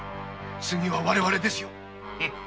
次は我々ですよ！